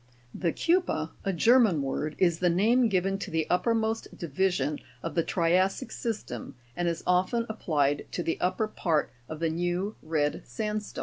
32. The KEU'PER (a German word) is the name given to the uppermost division of the tria'ssic system, and is often ap plied to the upper part of the new red sandstone formation.